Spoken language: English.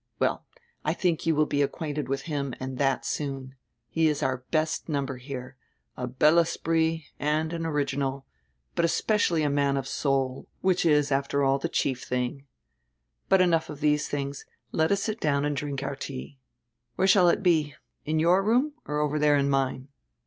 Well, I think you will become acquainted with him and that soon. He is our best number here, a bel esprit and an original, but especially a man of soul, which is after all die chief tiling. But enough of these tilings; let us sit down and drink our tea. Where shall it be? Here in your room or over there in mine?